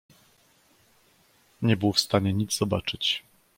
"Nie był w stanie nic zobaczyć."